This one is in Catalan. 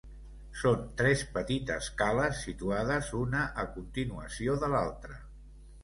Són tres petites cales situades una a continuació de l'altra.